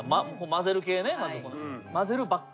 まぜる系ね。